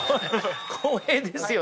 光栄ですよね。